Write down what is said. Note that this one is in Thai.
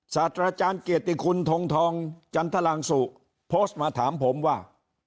สัตว์ราชาญเกียรติคุณทงทองจันทรรังสุโพสต์มาถามผมว่า